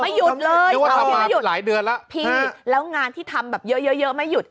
ไม่หยุดเลย๓อาทิตย์ไม่หยุดแล้วงานที่ทำแบบเยอะไม่หยุด